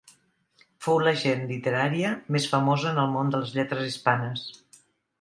Fou l'agent literària més famosa en el món de les lletres hispanes.